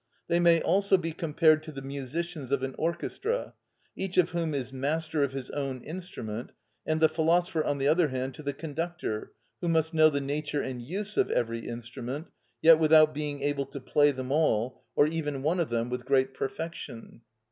They may also be compared to the musicians of an orchestra, each of whom is master of his own instrument; and the philosopher, on the other hand, to the conductor, who must know the nature and use of every instrument, yet without being able to play them all, or even one of them, with great perfection.